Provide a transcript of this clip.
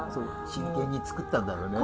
真剣に作ったんだろうね。